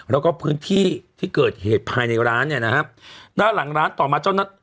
แล้วก็พื้นที่ที่เกิดเหตุภายในร้านเนี่ยนะฮะด้านหลังร้านต่อมาเจ้าหน้าที่